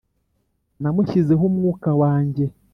Namushyizeho umwuka wanjye ;